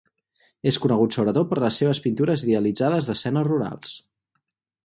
És conegut sobretot per les seves pintures idealitzades d'escenes rurals.